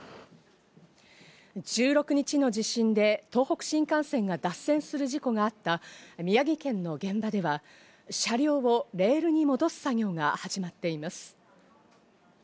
１６日の地震で東北新幹線が脱線する事故があった宮城県の現場では、車両をレールに戻す作業が始まっています。